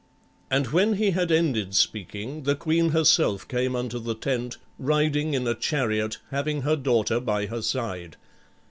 And when he had ended speaking, the queen herself came unto the tent, riding in a chariot, having her daughter by her side.